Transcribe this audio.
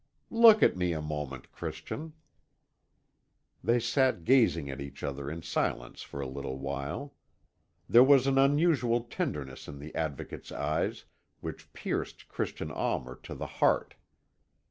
"Look at me a moment, Christian." They sat gazing at each other in silence for a little while. There was an unusual tenderness in the Advocate's eyes which pierced Christian Almer to the heart.